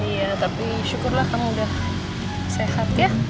iya tapi syukurlah kamu udah sehat ya